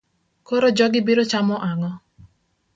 Koro jogi biro chamo ang'o?